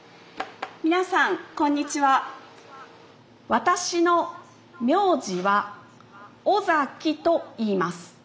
私の名字は尾崎といいます。